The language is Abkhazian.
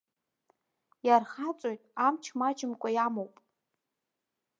Иархаҵоит, амч маҷымкәа иамоуп.